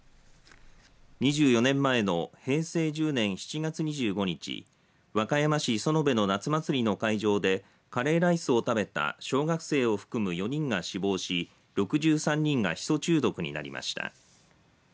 ２４年前の平成１０年７月２５日、和歌山市園部の夏祭りの会場でカレーライスを食べた小学生を含む４人が死亡し６３人がヒ素中毒になりました。